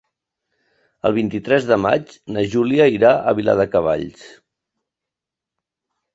El vint-i-tres de maig na Júlia irà a Viladecavalls.